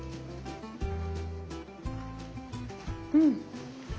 うん。